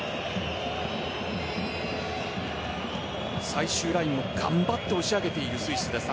最終ラインを頑張って押し上げているスイスです